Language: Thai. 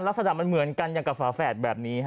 รักษณะมันเหมือนกันกับฝ่าแฝดแบบนี้